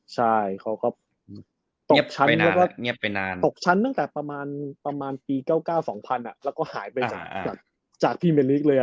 ใช่เขาก็ตกชั้นตั้งแต่ประมาณปี๙๙๒๐๐๐แล้วก็หายไปจากทีมเล็กเลย